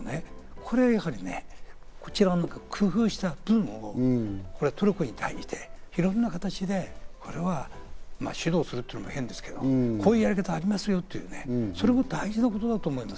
これやはりね、工夫した分をトルコに対して、いろんな形で指導するというのも変ですけど、こういうやり方がありますよというね、それも大事なことだと思います。